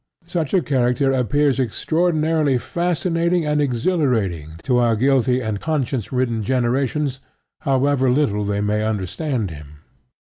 Such a character appears extraordinarily fascinating and exhilarating to our guilty and conscience ridden generations, however little they may understand him.